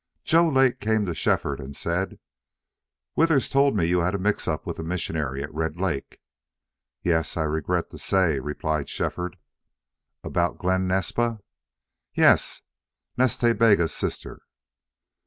Joe Lake came to Shefford and said, "Withers told me you had a mix up with a missionary at Red Lake." "Yes, I regret to say," replied Shefford. "About Glen Naspa?" "Yes, Nas Ta Bega's sister."